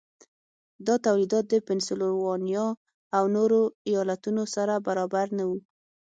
دا تولیدات د پنسلوانیا او نورو ایالتونو سره برابر نه وو.